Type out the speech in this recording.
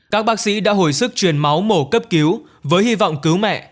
các bác sĩ đã hồi sức truyền máu mổ cấp cứu với hy vọng cứu mẹ